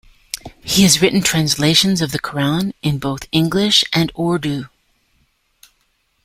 He has written translations of the Qur'an in both English and Urdu.